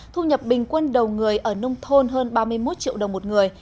thu nhập bình quân đầu người ở nông thôn hơn ba mươi một triệu đồng một người